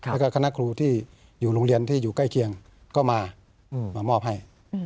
แล้วก็คณะครูที่อยู่โรงเรียนที่อยู่ใกล้เคียงก็มามามอบให้